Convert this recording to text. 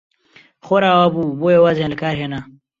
خۆر ئاوا بوو، بۆیە وازیان لە کار هێنا.